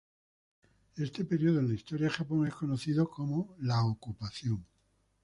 Este período en la historia de Japón es conocido como la Ocupación.